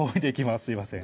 すいません